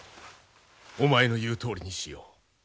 お前の言うとおりにしよう。